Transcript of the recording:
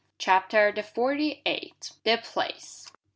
CHAPTER THE FORTY EIGHTH. THE PLACE.